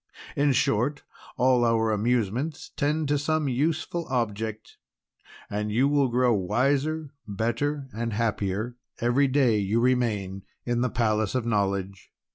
In short, all our amusements tend to some useful object; and you will grow wiser, better, and happier every day you remain in the Palace of Knowledge."